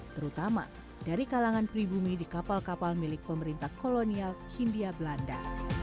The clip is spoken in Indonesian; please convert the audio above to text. terutama dari kalangan pribumi di kapal kapal milik pemerintah kolonial hindia belanda